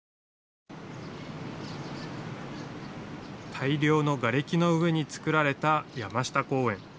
大量のがれきの上につくられた山下公園。